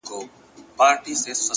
• چي محبت يې زړه كي ځاى پـيـدا كـړو؛